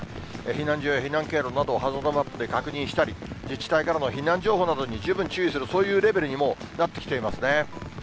避難所や避難経路などをハザードマップで確認したり、自治体からの避難情報などに十分注意する、そういうレベルに、もうなってきていますね。